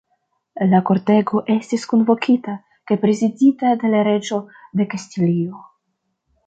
La kortego estis kunvokita kaj prezidita de la reĝo de Kastilio.